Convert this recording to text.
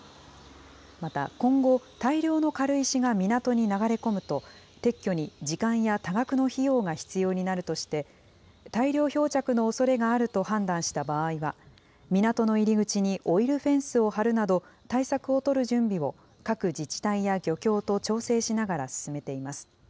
また、今後、大量の軽石が港に流れ込むと、撤去に時間や多額の費用が必要になるとして、大量漂着のおそれがあると判断した場合は、港の入り口にオイルフェンスを張るなど、対策を取る準備を各自治体や漁協と調整しながら、進めています。